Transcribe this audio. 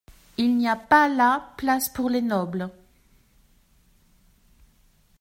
Il n'y a pas là place pour les nobles.